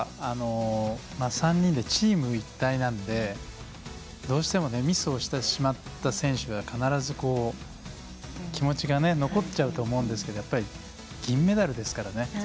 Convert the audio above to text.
３人でチーム一体なのでどうしてもミスをしてしまった選手は必ず、気持ちが残っちゃうと思うんですけど銀メダルですからね。